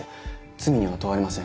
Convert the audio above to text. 罪には問われません。